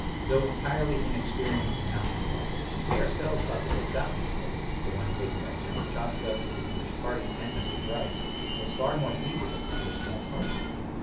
Though entirely inexperienced in mountain climbing, we ourselves thought that the southeast slope, the one taken by General Chodzko, the English party, and Mr. Bryce, was far more feasible for a small party.